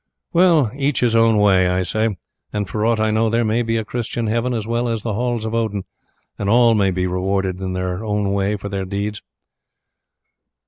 Well, each his own way, I say, and for aught I know there may be a Christian heaven as well as the Halls of Odin, and all may be rewarded in their own way for their deeds."